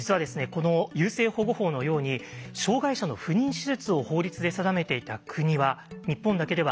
この優生保護法のように障害者の不妊手術を法律で定めていた国は日本だけではありません。